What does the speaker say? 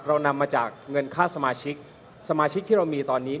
เรานำมาจากเงินค่าสมาชิกสมาชิกที่เรามีตอนนี้